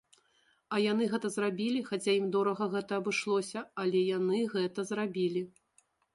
А яны гэта зрабілі, хаця ім дорага гэта абышлося, але яны гэта зрабілі.